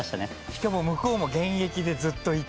しかも向こうも現役でずっといて。